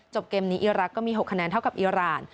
เกมนี้อีรักษ์ก็มี๖คะแนนเท่ากับอีราน